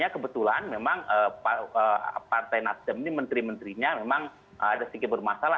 kebetulan memang partai nasdem ini menteri menterinya memang ada sedikit bermasalah